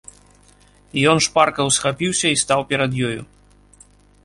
Ён шпарка ўсхапіўся і стаў перад ёю.